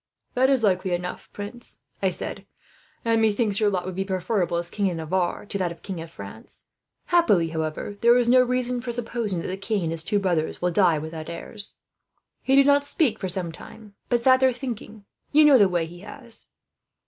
"'That is likely enough, prince,' I said; 'and methinks your lot would be preferable, as King of Navarre, to that of King of France. However, happily there is no reason for supposing that the king and his two brothers will die without heirs.' "He did not speak for some time, but sat there thinking. You know the way he has.